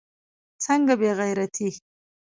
څنگه بې غيرتي.